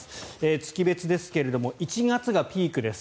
月別ですが１月がピークです。